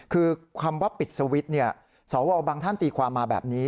คือคำว่าปิดสวิตช์สวบางท่านตีความมาแบบนี้